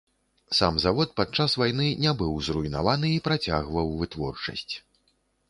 Сам завод падчас вайны не быў зруйнаваны і працягваў вытворчасць.